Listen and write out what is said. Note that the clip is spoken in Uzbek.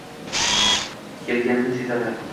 kelganini sezadi.